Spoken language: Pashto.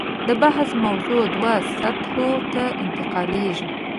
د بحث موضوع دوو سطحو ته انتقالېږي.